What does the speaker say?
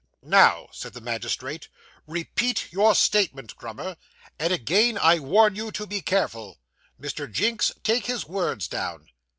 'Now,' said the magistrate, 'repeat your statement, Grummer, and again I warn you to be careful. Mr. Jinks, take his words down.